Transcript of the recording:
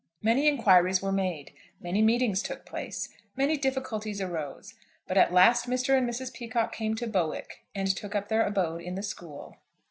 Many inquiries were made. Many meetings took place. Many difficulties arose. But at last Mr. and Mrs. Peacocke came to Bowick, and took up their abode in the school.